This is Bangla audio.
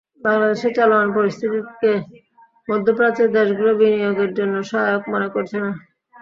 বাংলাদেশের চলমান পরিস্থিতিকে মধ্যপ্রাচ্যের দেশগুলো বিনিয়োগের জন্য সহায়ক মনে করছে না।